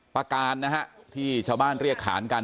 ประการนะฮะที่ชาวบ้านเรียกขานกัน